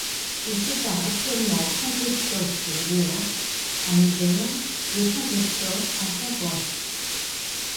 Il sépare actuellement Saint-Christophe-sur-Guiers, en Isère, de Saint-Christophe, en Savoie.